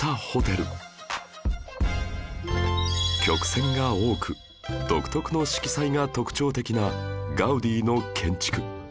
曲線が多く独特の色彩が特徴的なガウディの建築